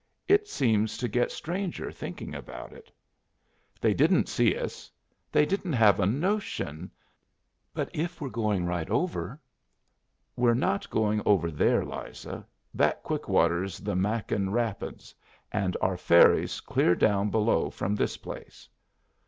It seems to get stranger, thinking about it." "They didn't see us. They didn't have a notion " "But if we're going right over?" "We're not going over there, Liza. That quick water's the Mahkin Rapids, and our ferry's clear down below from this place."